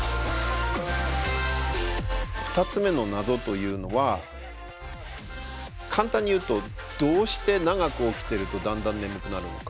２つ目の謎というのは簡単に言うとどうして長く起きてるとだんだん眠くなるのか。